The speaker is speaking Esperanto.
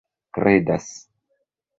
kredas